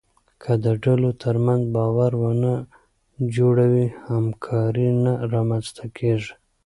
که د ډلو ترمنځ باور ونه جوړوې، همکاري نه رامنځته کېږي.